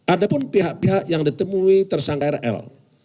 adapun pihak pihak yang ditemui tersangka rl